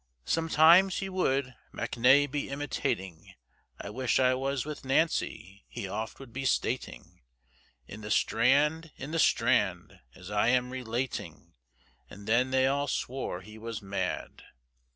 Sometimes he would Mackney be imitating, I wish I was with Nancy! he oft would be stating, In the Strand, in the Strand! as I am relating, And then they all swore he was mad.